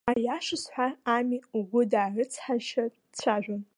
Аиаша сҳәар ами, угәы даарыцҳанашьартә дцәажәон.